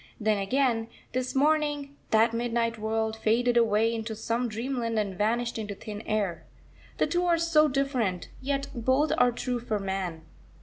Then again, this morning, that midnight world faded away into some dreamland, and vanished into thin air. The two are so different, yet both are true for man.